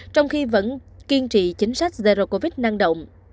trong khi vẫn kiên trì chính sách zero covid năng động